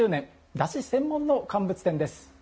だし専門の乾物店です。